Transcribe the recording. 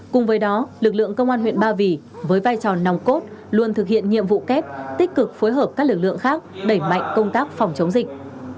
cùng với đó lực lượng công an huyện ba vì với vai trò nòng cốt luôn thực hiện nhiệm vụ kép tích cực phối hợp các lực lượng khác đẩy mạnh công tác phòng chống dịch